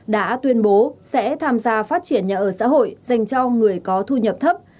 đã tuyên bố sẽ tham gia phát triển nhà ở xã hội dành cho người có thu nhập thấp